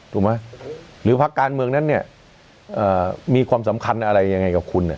ถูกไหมหรือพักการเมืองนั้นเนี่ยมีความสำคัญอะไรยังไงกับคุณเนี่ย